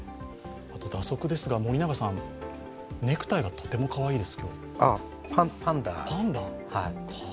蛇足ですが、森永さん、ネクタイがとてもかわいいです。